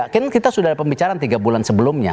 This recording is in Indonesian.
kita sudah ada pembicaraan tiga bulan sebelumnya